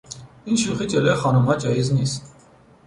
این شوخی جلوی خانمها جایز نیست.